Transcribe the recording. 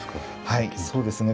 はいそうですね。